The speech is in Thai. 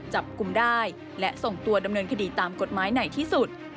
จับกลุ่มได้และส่งตัวดำเนินคดีตามกฎหมายไหนที่สุด